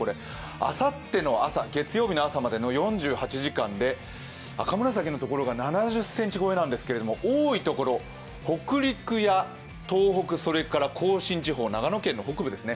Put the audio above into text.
あさっての朝、月曜日の朝までの４８時間で赤紫のところが７０ｃｍ超えなんですけど多いところ、北陸や東北、それから甲信地方、長野県の北部ですね。